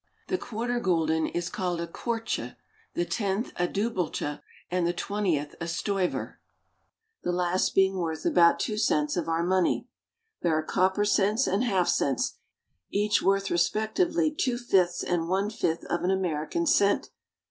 The quarter gulden is called a kwartje, the tenth a dubbeltje, and the twentieth a stuyver, the last being worth about two cents of our money. There are copper cents and half cents, each worth respectively two fifths and one fifth of an American cent.